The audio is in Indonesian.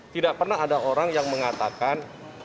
tidak pernah ada orang yang mengatakan